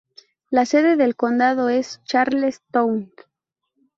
La sede del condado es Charles Town.